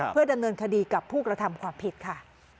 เพื่อดำเนินคดีกับผู้กระทำความผิดค่ะ